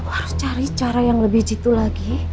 harus cari cara yang lebih jitu lagi